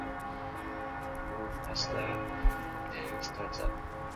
The true Hustler then stands up.